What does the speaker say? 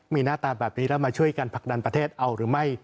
มีหน้าตาแบบนี้แล้วมาช่วยกันผลักดันประเทศเอาหรือไม่